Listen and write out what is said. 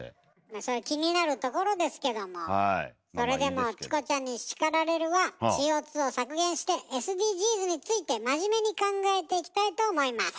まあそういう気になるところですけどもそれでも「チコちゃんに叱られる！」はＣＯを削減してＳＤＧｓについて真面目に考えていきたいと思います。